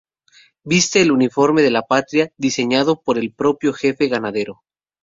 Viste el uniforme de la Patria, diseñado por el propio Jefe Granadero.